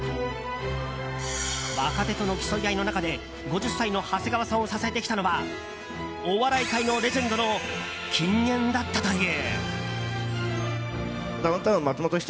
若手と競い合いの中で、５０歳の長谷川さんを支えてきたのはお笑い界のレジェンドの金言だったという。